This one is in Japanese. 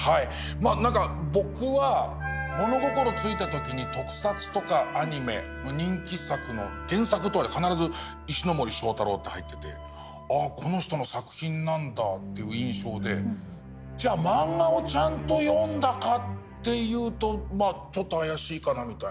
まあ何か僕は物心付いた時に特撮とかアニメの人気作の原作のとこに必ず「石森章太郎」って入っててああこの人の作品なんだという印象でじゃあマンガをちゃんと読んだかっていうとちょっと怪しいかなみたいな。